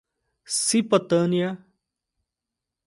Cipotânea